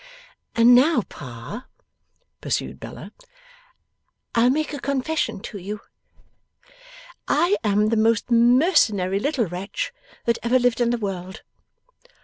'And now, Pa,' pursued Bella, 'I'll make a confession to you. I am the most mercenary little wretch that ever lived in the world.